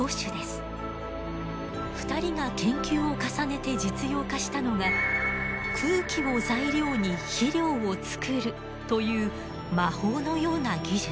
２人が研究を重ねて実用化したのが空気を材料に肥料を作るという魔法のような技術。